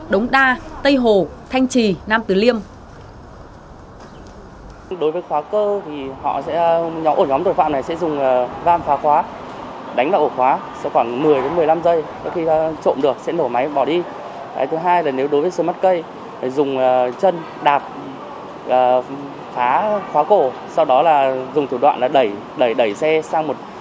đống đa tây hồ thanh trì nam tử liêm